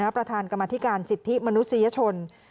ประธานกรรมธิการสิทธิมนุษยชน